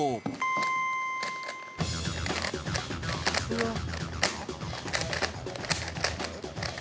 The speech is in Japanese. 「うわっ」